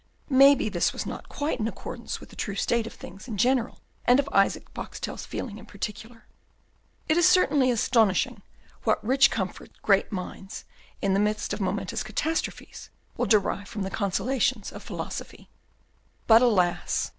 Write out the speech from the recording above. Maybe this was not quite in accordance with the true state of things in general, and of Isaac Boxtel's feelings in particular. It is certainly astonishing what rich comfort great minds, in the midst of momentous catastrophes, will derive from the consolations of philosophy. But alas!